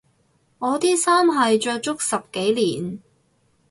我啲衫係着足十幾年